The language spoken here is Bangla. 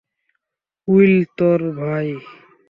উইল, তোর ভাই!